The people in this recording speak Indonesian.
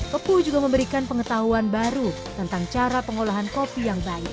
kepuh juga memberikan pengetahuan baru tentang cara pengolahan kopi yang baik